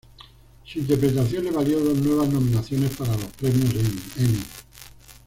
Su interpretación le valió dos nuevas nominaciones para los Premios Emmy.